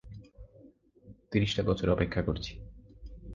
তিরিশটা বছর অপেক্ষা করেছি।